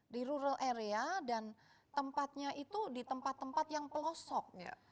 di rural area dan tempatnya itu di tempat tempat yang pelosok